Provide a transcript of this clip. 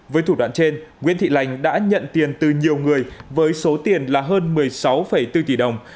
với thủ đoạn trên nguyễn thị lành đã nhận tiền từ nhiều người với số tiền là hơn một mươi sáu bốn tỷ đồng